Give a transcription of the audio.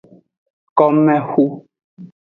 Komexu.